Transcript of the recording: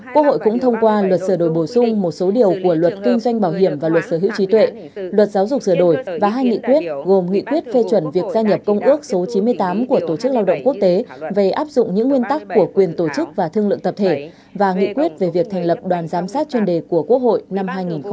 quốc hội cũng thông qua luật sửa đổi bổ sung một số điều của luật kinh doanh bảo hiểm và luật sở hữu trí tuệ luật giáo dục sửa đổi và hai nghị quyết gồm nghị quyết phê chuẩn việc gia nhập công ước số chín mươi tám của tổ chức lao động quốc tế về áp dụng những nguyên tắc của quyền tổ chức và thương lượng tập thể và nghị quyết về việc thành lập đoàn giám sát chuyên đề của quốc hội năm hai nghìn một mươi chín